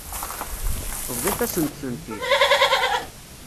Bḍut-asent-tent-id.